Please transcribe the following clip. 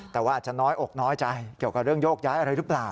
แต่ว่าอาจจะน้อยอกน้อยใจเกี่ยวกับเรื่องโยกย้ายอะไรหรือเปล่า